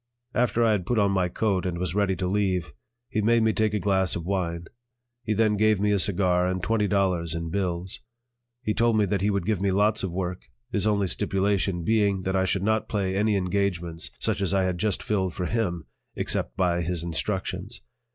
After I had put on my coat and was ready to leave, he made me take a glass of wine; he then gave me a cigar and twenty dollars in bills. He told me that he would give me lots of work, his only stipulation being that I should not play any engagements such as I had just filled for him, except by his instructions.